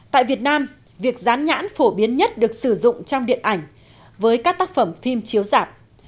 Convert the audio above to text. tại việt nam việc dán nhãn phổ biến nhất được sử dụng trong điện ảnh với các tác phẩm phim chiếu dạp